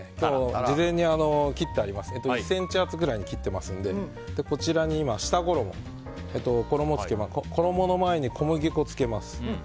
事前に１ｃｍ厚くらいに切ってますのでこちらに下衣衣の前に小麦粉をつけます。